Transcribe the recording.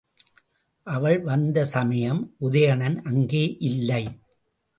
அவள் வந்த சமயம் உதயணன் அங்கே இல்லை.